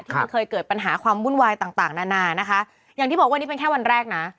มันเคยเกิดปัญหาความวุ่นวายต่างต่างนานานะคะอย่างที่บอกวันนี้เป็นแค่วันแรกนะ